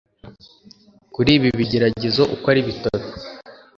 kuri ibi bigeragezo uko ari bitatu.